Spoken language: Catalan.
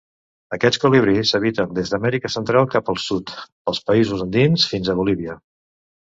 Aquests colibrís habiten des d'Amèrica Central cap al sud, pels països andins, fins a Bolívia.